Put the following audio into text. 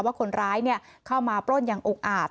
ว่าคนร้ายเข้ามาปล้นอย่างอุกอาจ